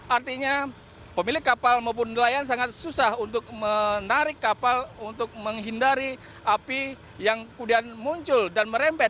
artinya pemilik kapal maupun nelayan sangat susah untuk menarik kapal untuk menghindari api yang kemudian muncul dan merempet